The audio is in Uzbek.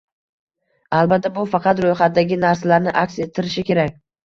Albatta, bu faqat "ro'yxat" dagi narsalarni aks ettirishi kerak